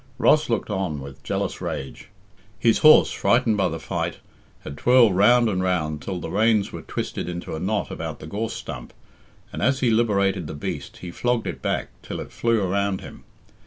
Ross looked on with jealous rage. His horse, frightened by the fight, had twirled round and round till the reins were twisted into a knot about the gorse stump, and as he liberated the beast he flogged it back till it flew around him.